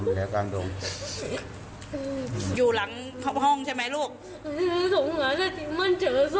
อ๋อเดี๋ยวไปได้ไปค้น